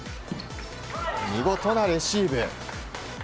見事なレシーブ。